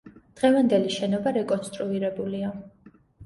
დღევანდელი შენობა რეკონსტრუირებულია.